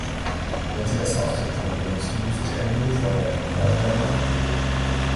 Wenn Sie das Haustelefon benutzen, müssen Sie eine Null vorwählen, auch bei Notrufen.